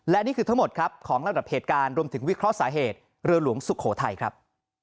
และนี่คือทั้งหมดครับของระดับเหตุการณ์รวมถึงวิเคราะห์สาเหตุเรือหลวงสุโขทัยครับ